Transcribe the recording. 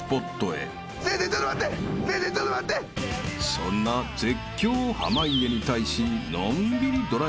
［そんな絶叫濱家に対し］